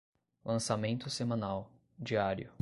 lançamento semanal, diário